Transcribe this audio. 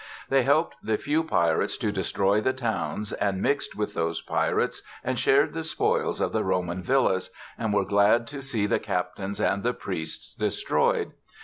They helped the few pirates to destroy the towns, and mixed with those pirates and shared the spoils of the Roman villas, and were glad to see the captains and the priests destroyed.